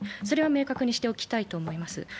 それは明確にしておきたいと思います。